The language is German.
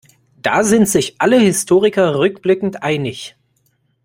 Da sind sich alle Historiker rückblickend einig.